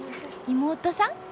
妹さん？